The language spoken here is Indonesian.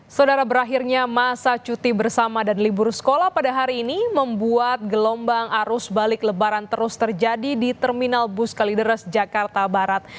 saudara berakhirnya masa cuti bersama dan libur sekolah pada hari ini membuat gelombang arus balik lebaran terus terjadi di terminal bus kalideres jakarta barat